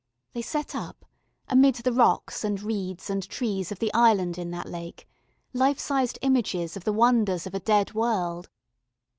They set up, amid the rocks and reeds and trees of the island in that lake, life sized images of the wonders of a dead world.